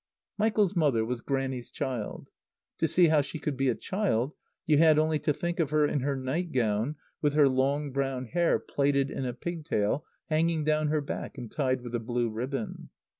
Michael's mother was Grannie's child. To see how she could be a child you had only to think of her in her nightgown with her long brown hair plaited in a pigtail hanging down her back and tied with a blue ribbon.